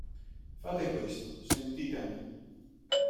Fate questo, sentite a me”.